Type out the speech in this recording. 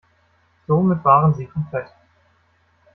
Somit waren sie komplett.